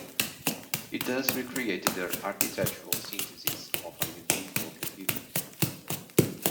He thus recreated the architectural synthesis of a medieval cathedral.